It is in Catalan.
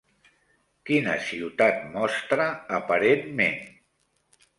Quina ciutat mostra aparentment?